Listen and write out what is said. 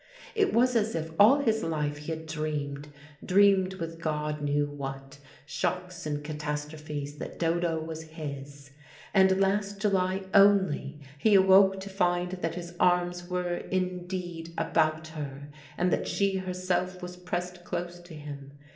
It was as if all his life he had dreamed, dreamed with God knew what shocks and catastrophes that Dodo was his, and last July only he awoke to find that his arms were indeed about her, and that she herself was pressed close to him.